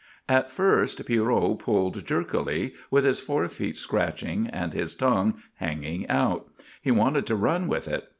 At first Pierrot pulled jerkily, with his forefeet scratching and his tongue hanging out; he wanted to run with it.